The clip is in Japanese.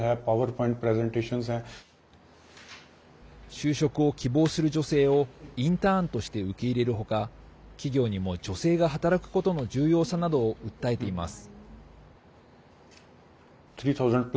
就職を希望する女性をインターンとして受け入れる他企業にも女性が働くことの重要さなどを訴えています。